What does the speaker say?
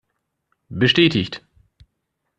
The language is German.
Bestätigt!